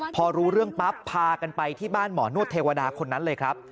พอรู้เรื่องปั๊บพากันไปที่บ้านหมอนวดเทวดาคนนั้นเลยครับ